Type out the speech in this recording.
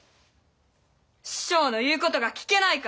師匠の言うことが聞けないか！